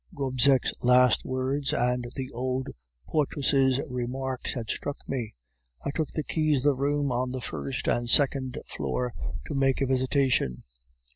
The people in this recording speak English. "Gobseck's last words and the old portress' remarks had struck me. I took the keys of the rooms on the first and second floor to make a visitation.